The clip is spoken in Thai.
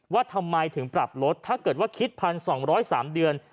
ว่าทำไมถึงปรับลดถ้าเกิดว่าคิด๑๒๐๓เดือน